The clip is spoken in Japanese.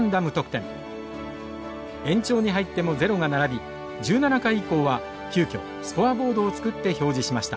延長に入ってもゼロが並び１７回以降は急きょスコアボードを作って表示しました。